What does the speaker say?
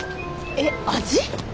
えっ味？